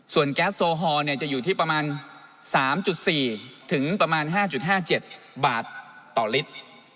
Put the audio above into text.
แก๊สโซฮอลจะอยู่ที่ประมาณ๓๔ถึงประมาณ๕๕๗บาทต่อลิตร